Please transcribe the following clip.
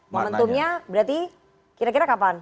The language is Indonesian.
momentumnya berarti kira kira kapan